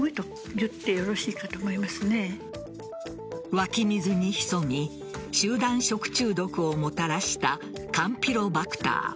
湧き水に潜み集団食中毒をもたらしたカンピロバクター。